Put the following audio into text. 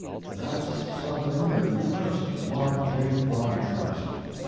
That's something that you just want to take on trust.